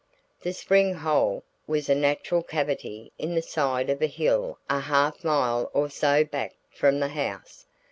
The "spring hole" was a natural cavity in the side of a hill a half mile or so back from the house.